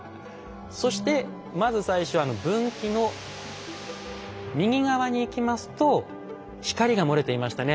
そしてまず最初分岐の右側に行きますと光が漏れていましたね。